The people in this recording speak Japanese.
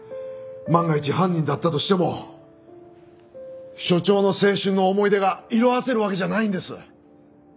万が一犯人だったとしても署長の青春の思い出が色あせるわけじゃないんです。